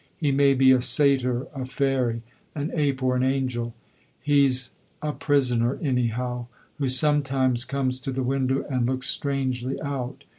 He may be a satyr, a fairy, an ape or an angel; he's a prisoner anyhow, who sometimes comes to the window and looks strangely out.